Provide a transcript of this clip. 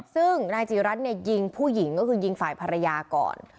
ซึ่งนายจีรัฐเนี่ยยิงผู้หญิงก็คือยิงฝ่ายภรรยาก่อน